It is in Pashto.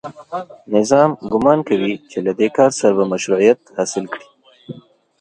نظام ګومان کوي چې له دې کار سره به مشروعیت حاصل کړي